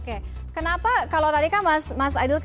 kenapa kalau tadi kan mas adil